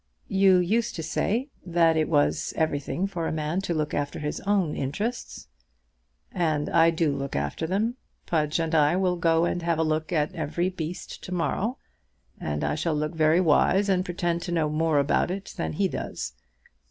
"You used to say that it was everything for a man to look after his own interests." "And I do look after them. Pudge and I will go and have a look at every beast to morrow, and I shall look very wise and pretend to know more about it than he does.